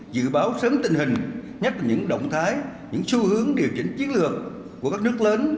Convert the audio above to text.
dự báo sớm tình hình nhất là những động thái những xu hướng điều chỉnh chiến lược của các nước lớn